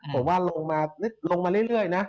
ผมว่าลงมาเรื่อยนะ